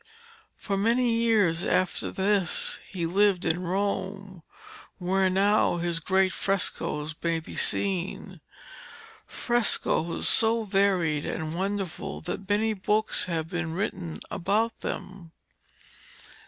For many years after this he lived in Rome, where now his greatest frescoes may be seen frescoes so varied and wonderful that many books have been written about them.